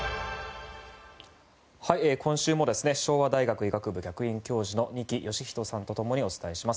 今週も昭和大学医学部客員教授の二木芳人さんとともにお伝えします。